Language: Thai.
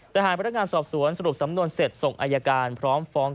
แต่หากพนักงานสอบสวนสรุปสำนวนเสร็จส่งอายการพร้อมฟ้อง